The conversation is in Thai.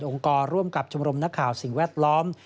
กรร่วมกับชมรมนักข่าวสิ่งแวดล้อม